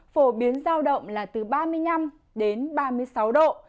phổ biến giao động là từ ba mươi năm đến ba mươi sáu độ